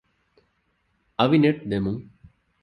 އަވިނެޓް ދެމުން